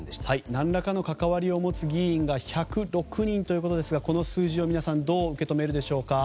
何らかの関わりを持つ議員が１０６人ということですがこの数字を皆さんどう受け止めるでしょうか。